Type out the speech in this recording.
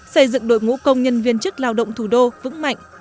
xây dựng đội ngũ công nhân viên chức lao động thủ đô vững mạnh